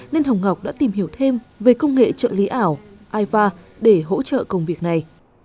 nên hồng ngọc đã tìm hiểu thêm về công nghệ trợ lý ảo aiva để hỗ trợ công việc này